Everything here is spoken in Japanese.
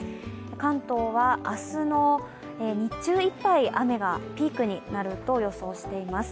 関東は明日の日中いっぱい、雨がピークになると予想しています。